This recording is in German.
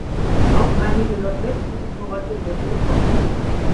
Auch einige nordwestliche Vororte wurden getroffen.